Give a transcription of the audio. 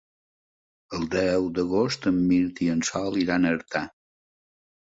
El deu d'agost en Mirt i en Sol iran a Artà.